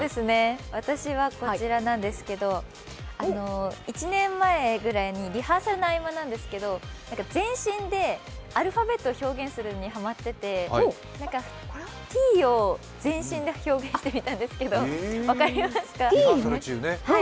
私はこちらなんですけど、１年前ぐらいにリハーサルの合間なんですけど全身でアルファベットを表現することにハマっていてＴを全身で表現してみたんですけど分かりますか？